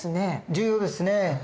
重要ですね。